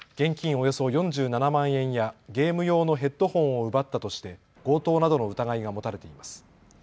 およそ４７万円やゲーム用のヘッドホンを奪ったとして強盗などの疑いが持たれています。